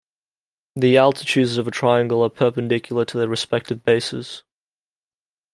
The altitudes of a triangle are perpendicular to their respective bases.